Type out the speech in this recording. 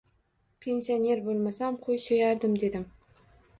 Pensioner bo‘lmasam, qo‘y so‘yardim dedim.